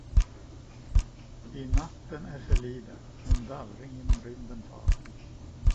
Si, natten är förliden, en dallring genom rymden far.